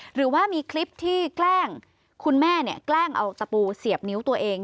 หรือว่ามีคลิปที่แกล้งคุณแม่เนี่ยแกล้งเอาตะปูเสียบนิ้วตัวเอง